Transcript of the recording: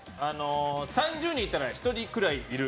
３０人いたら１人くらいいる。